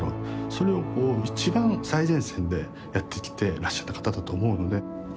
それを一番最前線でやってきてらっしゃった方だと思うので。